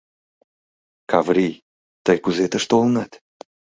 — Каврий, тый кузе тыш толынат?